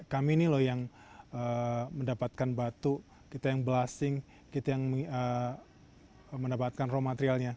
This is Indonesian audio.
kami ini loh yang mendapatkan batu kita yang blassing kita yang mendapatkan raw materialnya